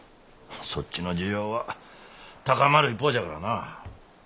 そっちの需要は高まる一方じゃからな。